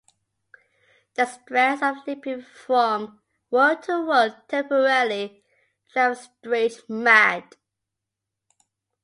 The stress of leaping from world to world temporarily drives Strange mad.